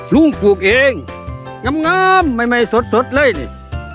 ลุงปลูกเองงามงามใหม่ใหม่สดเลยนี่